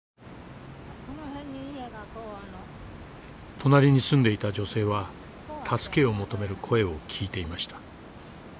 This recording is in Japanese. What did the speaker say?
隣に住んでいた女性は助けを求める声を聞いていました。